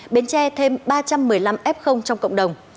bến tre thêm ba trăm một mươi năm f trong cộng đồng